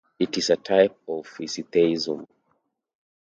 It is a type of physitheism.